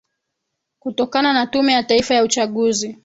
kutokana na tume ya taifa ya uchaguzi